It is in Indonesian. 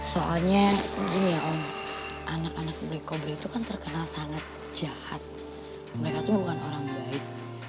soalnya gini ya om anak anak beli kobri itu kan terkenal sangat jahat mereka itu bukan orang baik